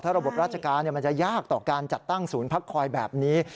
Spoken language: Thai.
ระบบราชการมันจะยากต่อการจัดตั้งศูนย์พักคอยแบบนี้